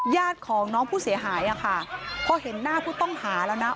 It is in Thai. ญาติของน้องผู้เสียหายอ่ะค่ะพอเห็นหน้าผู้ต้องหาแล้วนะ